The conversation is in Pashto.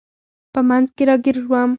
په منځ کې راګیر شوم.